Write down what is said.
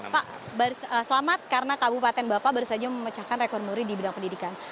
pak selamat karena kabupaten bapak baru saja memecahkan rekor muri di bidang pendidikan